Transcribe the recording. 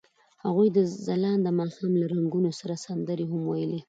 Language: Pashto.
هغوی د ځلانده ماښام له رنګونو سره سندرې هم ویلې.